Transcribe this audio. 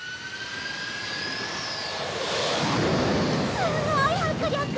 すごい迫力！